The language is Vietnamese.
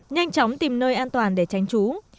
nhanh chóng tìm nơi an toàn để tránh trú